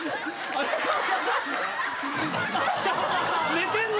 寝てんの？